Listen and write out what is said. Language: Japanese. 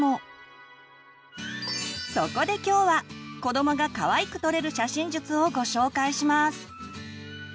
そこで今日は子どもがかわいく撮れる写真術をご紹介します！